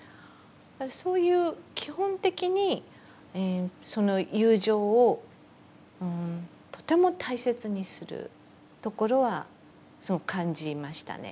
そういう基本的にその友情をとても大切にするところはすごく感じましたね。